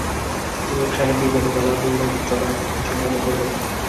ইমাম সাহেব বিব্রত গলায় বললেন, জনাব, কিছু মনে করবেন না।